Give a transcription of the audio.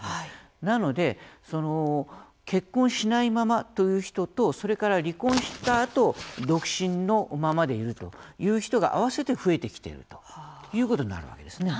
なので結婚しないままという人とそれから離婚したあと独身のままでいるという人が合わせて増えてきているということになるわけですね。